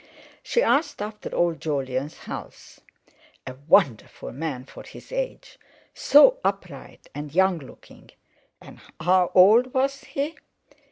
She asked after old Jolyon's health. A wonderful man for his age; so upright, and young looking, and how old was he?